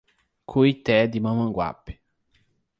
Cuité de Mamanguape